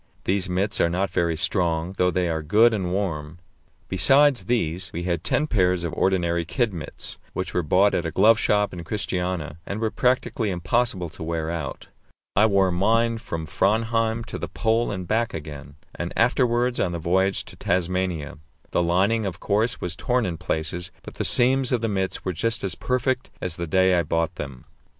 These mits are not very strong, though they are good and warm. Besides these, we had ten pairs of ordinary kid mits, which were bought at a glove shop in Christiania, and were practically impossible to wear out. I wore mine from Framheim to the Pole and back again, and afterwards on the voyage to Tasmania. The lining, of course, was torn in places, but the seams of the mits were just as perfect as the day I bought them.